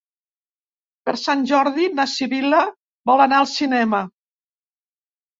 Per Sant Jordi na Sibil·la vol anar al cinema.